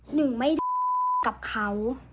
หนึ่งไม่กับเขา